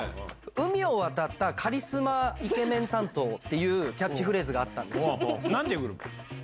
海を渡ったカリスマイケメン担当っていうキャッチフレーズがあっなんて呼ぶ。